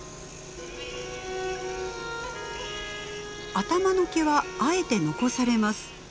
頭の毛はあえて残されます。